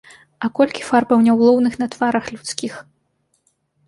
А колькі фарбаў няўлоўных на тварах людскіх!